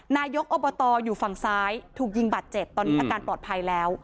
นายกอบตอยู่ฝั่งซ้ายถูกยิงบาดเจ็บตอนนี้อาการปลอดภัยแล้ว